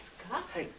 はい。